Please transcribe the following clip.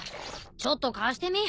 ちょっと貸してみ。